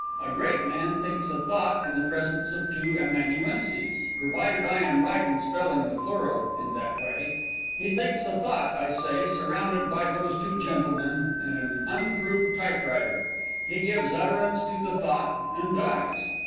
A great man thinks a thought in the presence of two amanuenses, provided I am right in spelling the plural in that way. He thinks a thought, I say, surrounded by those two gentlemen and an improved typewriter. He gives utterance to the thought and dies.